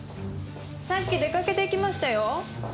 さっき出かけていきましたよ。